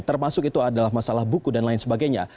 termasuk itu adalah masalah buku dan lain sebagainya